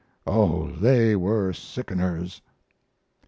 Oh, they were sickeners."